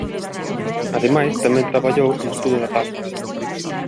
Ademais tamén traballou no estudo das algas.